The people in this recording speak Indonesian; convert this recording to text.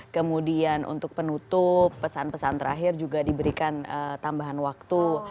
kemudian untuk penutup pesan pesan terakhir juga diberikan tambahan waktu